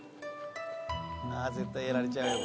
絶対やられちゃうよ。